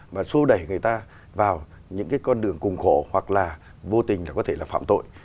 và xô đẩy người ta vào những con đường cùng khổ hoặc là vô tình có thể là phạm tội